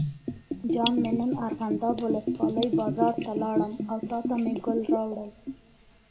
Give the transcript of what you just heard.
جان مې نن ارغنداب ولسوالۍ بازار ته لاړم او تاته مې ګل راوړل.